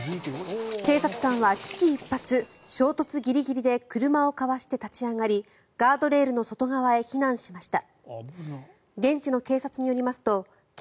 警察官は危機一髪衝突ギリギリで車をかわして立ち上がりガードレールの外側へ避難しました。